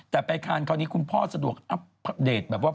แต่ไปคานคราวนี้คุณพ่อสะดวกอัปเดตแบบว่า